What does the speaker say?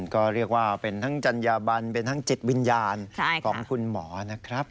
ก็เรียกว่าเป็นทั้งจัญญาบันเป็นทั้งจิตวิญญาณของคุณหมอนะครับ